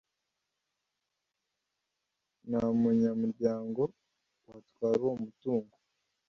Nta munyamuryango watwara uwo mutungo